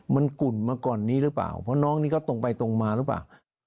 มันกุ่นมาก่อนนี้หรือเปล่าเพราะน้องนี่ก็ตรงไปตรงมาหรือเปล่า